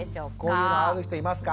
こういうのある人いますか？